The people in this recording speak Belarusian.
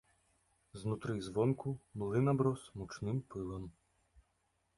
Знутры і звонку млын аброс мучным пылам.